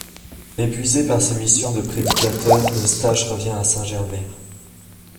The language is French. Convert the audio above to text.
Épuisé par ces missions de prédicateur, Eustache revient à Saint-Germer.